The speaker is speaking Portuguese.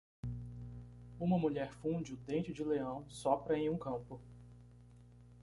Uma mulher funde o dente-de-leão sopra em um campo.